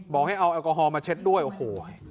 บอกให้เอาแอลกอฮอลมาเช็ดด้วยโอ้โห